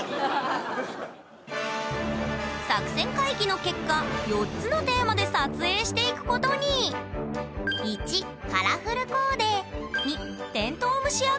作戦会議の結果４つのテーマで撮影していくことにこれを撮るってこと？